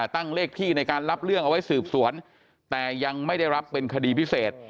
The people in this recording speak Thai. เลขที่ในการรับเรื่องเอาไว้สืบสวนแต่ยังไม่ได้รับเป็นคดีพิเศษ